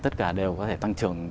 tất cả đều có thể tăng trưởng